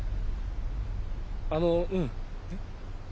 あのうん。